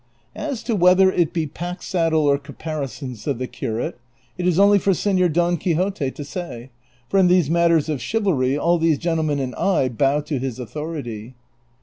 " As to whether it be pack saddle or caparison," said the cu rate, " it is only for Sehor Don Quixote to say ; for in these mat ters of chivalry all these gentlemen and I bow to his authority."